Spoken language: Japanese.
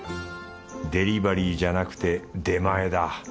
デリバリーじゃなくて出前だ。